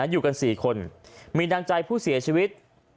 อยู่กัน๔คนมีนางใจผู้เสียชีวิต